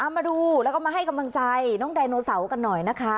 มาดูแล้วก็มาให้กำลังใจน้องไดโนเสาร์กันหน่อยนะคะ